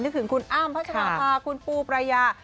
นึกถึงคุณอ้าวเบลญาคุณอ่านคุณปูประยา